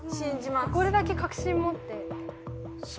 ・これだけ確信持ってさあ